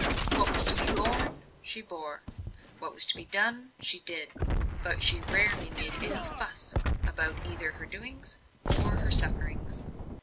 What was to be borne she bore: what was to be done she did; but she rarely made any "fuss" about either her doings or her sufferings.